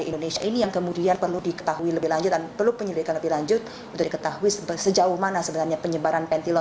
indonesia anissa dhaniar